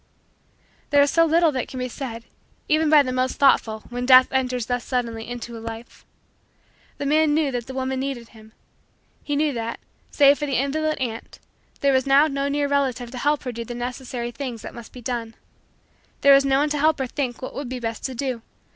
There is so little that can be said, even by the most thoughtful, when Death enters thus suddenly into a life. The man knew that the woman needed him. He knew that, save for the invalid aunt, there was now no near relative to help her do the necessary things that must be done. There was no one to help her think what would be best to do.